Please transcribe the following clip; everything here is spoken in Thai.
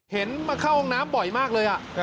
เห็นมาเข้าห้องน้ำบ่อยมากเลย